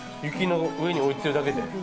雪の上に置いてるだけで？